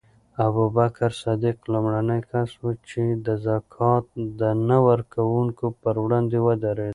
ابوبکر صدیق لومړنی کس و چې د زکات د نه ورکوونکو پر وړاندې ودرېد.